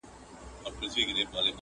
شپه د کال او د پېړۍ په څېر اوږده وای،